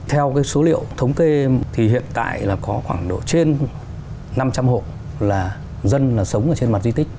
theo số liệu thống kê thì hiện tại là có khoảng độ trên năm trăm linh hộ là dân sống ở trên mặt di tích